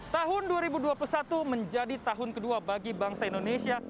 tahun dua ribu dua puluh satu menjadi tahun kedua bagi bangsa indonesia